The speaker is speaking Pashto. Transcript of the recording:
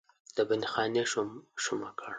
د بندیخانې شومه کړ.